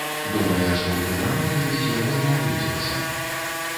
Думае, што ў тым рамане без яго не абыдзецца.